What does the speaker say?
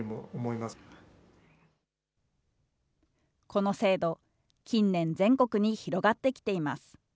この制度、近年、全国に広がってきています。